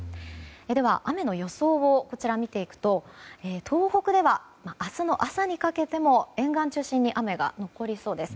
では、雨の予想を見ていくと東北では明日の朝にかけても沿岸中心に雨が残りそうです。